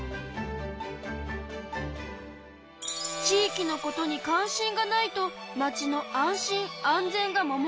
地域のことに関心がないとまちの安心・安全が守れない。